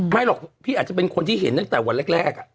หรอกพี่อาจจะเป็นคนที่เห็นตั้งแต่วันแรก